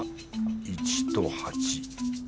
１と８。